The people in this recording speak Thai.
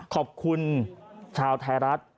ขอบคุณชาวไทยรัฐ